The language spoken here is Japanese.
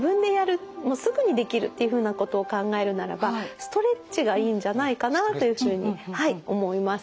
もうすぐにできるっていうふうなことを考えるならばストレッチがいいんじゃないかなというふうに思います。